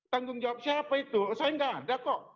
tanggung jawab siapa itu saya nggak ada kok